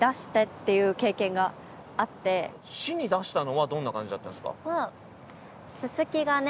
市に出したのはどんな感じだったんですか？